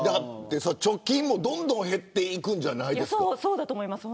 貯金もどんどん減るんじゃないですか。